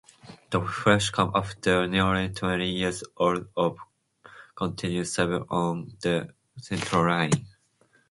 The refresh comes after nearly twenty years of continuous service on the Central line.